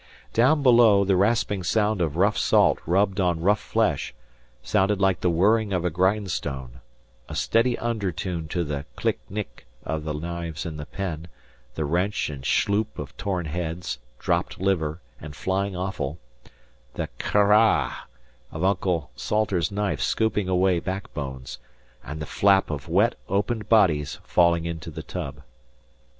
Down below, the rasping sound of rough salt rubbed on rough flesh sounded like the whirring of a grindstone steady undertune to the "click nick" of knives in the pen; the wrench and shloop of torn heads, dropped liver, and flying offal; the "caraaah" of Uncle Salters's knife scooping away backbones; and the flap of wet, open bodies falling into the tub.